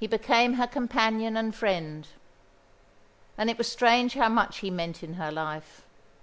He became her companion and friend; and it was strange how much he meant in her life.